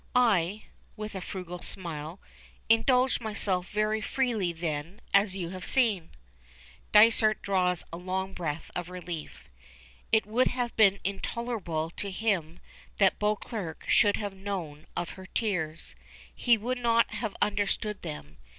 I," with a frugal smile, "indulged myself very freely then, as you have seen." Dysart draws a long breath of relief. It would have been intolerable to him that Beauclerk should have known of her tears. He would not have understood them.